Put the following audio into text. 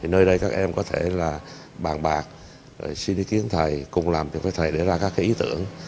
nơi đây các em có thể bàn bạc xin ý kiến thầy cùng làm được với thầy để ra các ý tưởng